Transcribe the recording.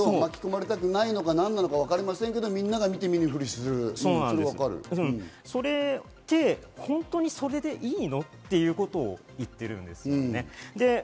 問題あるんだけど巻き込まれたくないのか、なんなのかわかんないけど、みんなが見て見ぬふりそれって本当にそれでいいの？っていうことをいっているんですよね。